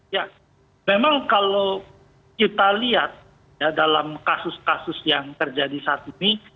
ya memang kalau kita lihat dalam kasus kasus yang terjadi saat ini